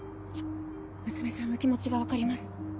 娘さんの気持ちが分かります。